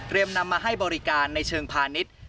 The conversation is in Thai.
นำมาให้บริการในเชิงพาณิชย์